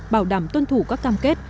bảo đảm tuân thủ các cam kết